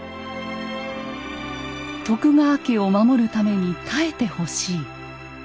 「徳川家を守るために耐えてほしい」。